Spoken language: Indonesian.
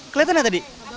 keliatan gak tadi